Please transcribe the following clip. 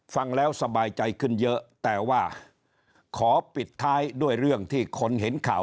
ฟังแล้วสบายใจขึ้นเยอะแต่ว่าขอปิดท้ายด้วยเรื่องที่คนเห็นข่าว